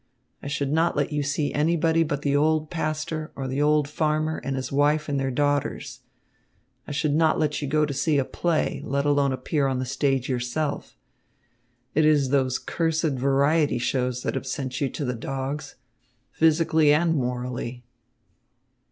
I should not let you see anybody but the old pastor or the old farmer and his wife and their daughters. I should not let you go to see a play, let alone appear on the stage yourself. It is those cursed variety shows that have sent you to the dogs, physically and morally."